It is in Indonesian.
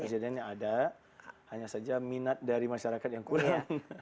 presidennya ada hanya saja minat dari masyarakat yang kurang